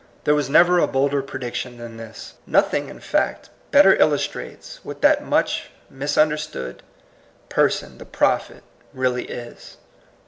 There was never a bolder prediction than this. Nothing, in fact, better illus trates what that much misunderstood per son, the prophet, really is.